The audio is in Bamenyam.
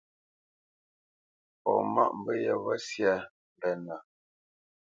Fɔ mâʼ mbə̂ yeghó syâ mbɛ́nə̄.